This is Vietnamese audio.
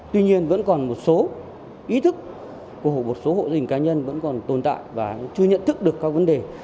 tuy nhiên vẫn còn một số ý thức của một số hộ gia đình cá nhân vẫn còn tồn tại và chưa nhận thức được các vấn đề